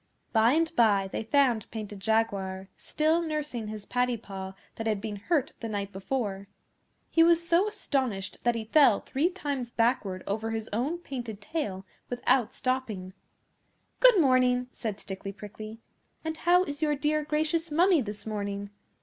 By and by they found Painted Jaguar, still nursing his paddy paw that had been hurt the night before. He was so astonished that he fell three times backward over his own painted tail without stopping. 'Good morning!' said Stickly Prickly. 'And how is your dear gracious Mummy this morning?